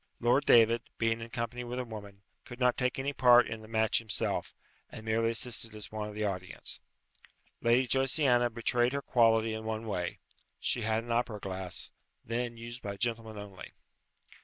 Lord David, being in company with a woman, could not take any part in the match himself, and merely assisted as one of the audience. Lady Josiana betrayed her quality in one way; she had an opera glass, then used by gentlemen only.